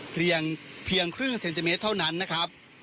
เพียงครึ่งเซนติเมตรเท่านั้นนะครับ